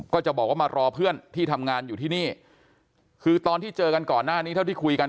ก็จะบอกว่ามารอเพื่อนที่ทำงานอยู่ที่นี่คือตอนที่เจอกันก่อนหน้านี้เท่าที่คุยกัน